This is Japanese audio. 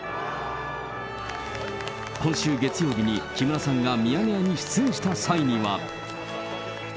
今週月曜日に、木村さんがミヤネ屋に出演した際には。